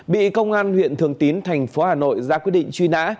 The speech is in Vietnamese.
bị công an huyện thường tín thành phố hà nội ra quyết định truy nã